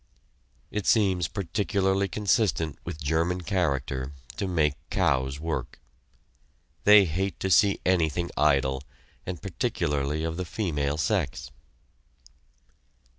It seems particularly consistent with German character to make cows work! They hate to see anything idle, and particularly of the female sex.